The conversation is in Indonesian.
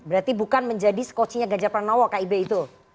berarti bukan menjadi skocinya ganjar pranowo kib itu